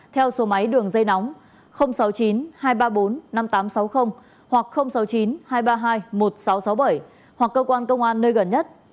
theo số máy đường dây nóng sáu mươi chín hai trăm ba mươi bốn năm nghìn tám trăm sáu mươi hoặc sáu mươi chín hai trăm ba mươi hai một nghìn sáu trăm sáu mươi bảy hoặc cơ quan công an nơi gần nhất